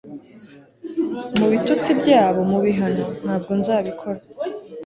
mubitutsi byabo mubihano? - ntabwo nzabikora